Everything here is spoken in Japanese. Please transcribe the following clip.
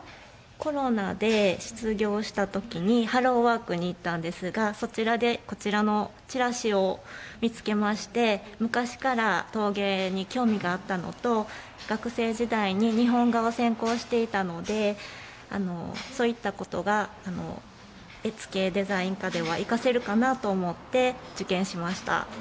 コロナで失業したときにハローワークに行ったんですがそちらでこちらのチラシを見つけまして昔から陶芸に興味があったのと学生時代に日本画を専攻していたのでそういったことが絵付デザイン科では生かせるかなと思って受験しました。